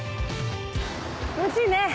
気持ちいいね。